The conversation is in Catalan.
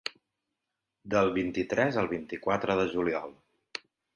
Del vint-i-tres al vint-i-quatre de juliol.